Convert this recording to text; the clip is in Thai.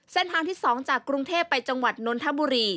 เส้นทางที่๒จากกรุงเทพไปจังหวัดนนทบุรี